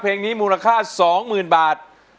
เพลงนี้มูลค่าสองหมื่นบาท